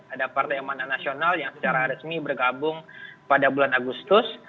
ada partai emanah nasional yang secara resmi bergabung pada bulan agustus